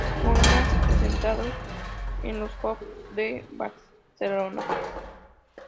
Poemas presentados en los "Jocs Florals" de Barcelona